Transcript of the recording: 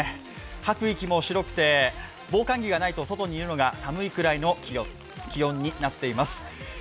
吐く息も白くて、防寒着がないと外にいるのが寒いくらいの気温になっています。